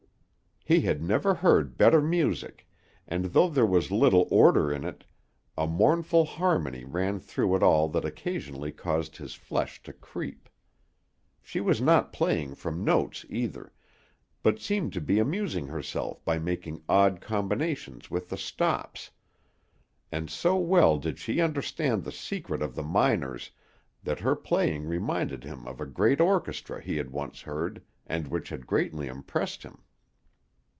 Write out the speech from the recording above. He had never heard better music, and though there was little order in it, a mournful harmony ran through it all that occasionally caused his flesh to creep. She was not playing from notes, either, but seemed to be amusing herself by making odd combinations with the stops; and so well did she understand the secret of the minors that her playing reminded him of a great orchestra he had once heard, and which had greatly impressed him.